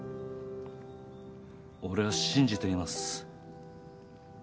俺は信じています。